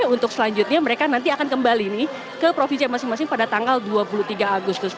untuk selanjutnya mereka nanti akan kembali nih ke provinsi yang masing masing pada tanggal dua puluh tiga agustus